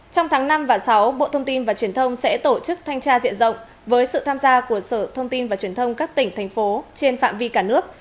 trong tháng năm và sáu bộ thông tin và truyền thông sẽ tổ chức thanh tra diện rộng với sự tham gia của sở thông tin và truyền thông các tỉnh thành phố trên phạm vi cả nước